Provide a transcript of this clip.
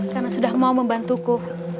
karena sudah mau membantuku